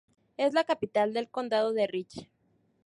Es la capital del condado de Rich.